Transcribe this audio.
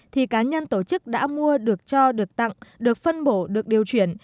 thì cá nhân tổ chức đã mua được cho được tặng được phân bổ được điều chuyển